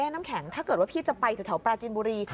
น้ำแข็งถ้าเกิดว่าพี่จะไปแถวปราจินบุรี